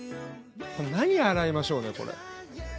何洗いましょうねこれ。